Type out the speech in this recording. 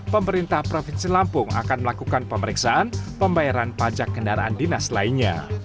pemerintah provinsi lampung akan melakukan pemeriksaan pembayaran pajak kendaraan dinas lainnya